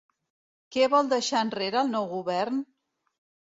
Què vol deixar enrere el nou govern?